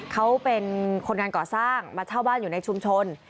เขาเป็นคนงานก่อสร้างมาเช่าบ้านอยู่ในชุมชน